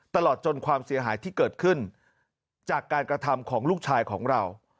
ตลอดจนความเสียหายที่เกิดขึ้นจากการกระทำของลูกชายของเรา